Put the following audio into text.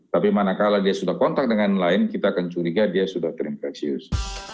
tapi manakala dia sudah kontak dengan lain kita akan curiga dia sudah terinfeksius